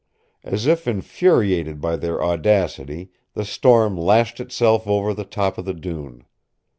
As if infuriated by their audacity, the storm lashed itself over the top of the dune.